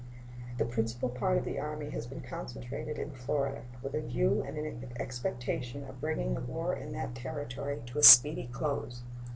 The principal part of the Army has been concentrated in Florida, with a view and in the expectation of bringing the war in that Territory to a speedy close.